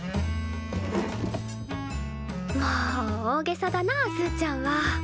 もう大げさだなすーちゃんは。